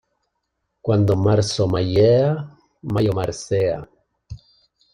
Cuando marzo mayea, mayo marcea.